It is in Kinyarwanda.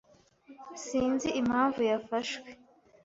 Sinzi [] Sinzi impamvu yafashwe.